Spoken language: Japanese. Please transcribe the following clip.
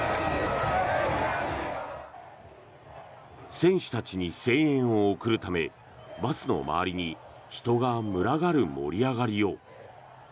選手たちに声援を送るためバスの周りに人が群がる盛り上がりよう。